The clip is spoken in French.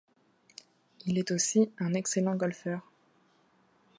Il est aussi un excellent golfeur.